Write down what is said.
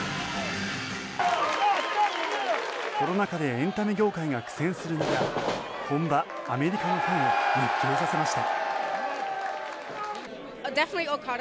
コロナ禍でエンタメ業界が苦戦する中本場アメリカのファンを熱狂させました。